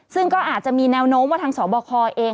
ซึ่งก็อาจจะมีแนวโน้มว่าทางสบคเอง